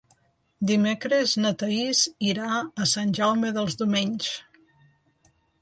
Dimecres na Thaís irà a Sant Jaume dels Domenys.